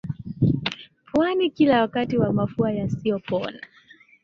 puani kila wakati na mafua yasiyo pona